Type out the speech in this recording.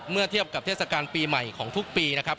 เมื่อเทียบกับเทศกาลปีใหม่ของทุกปีนะครับ